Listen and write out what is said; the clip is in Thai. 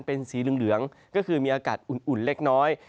เป็นสีเหลืองก็คือมีอากาศอุ่นเล็กน้อย